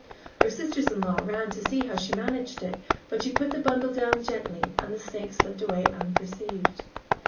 Her sisters in law ran to see how she managed it, but she put the bundle down gently and the snake slipped away unperceived.